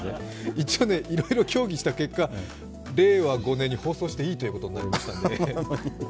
一応、いろいろ協議した結果令和５年に放送していいということになったんでね。